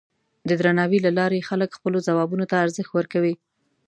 د درناوي له لارې خلک خپلو ځوابونو ته ارزښت ورکوي.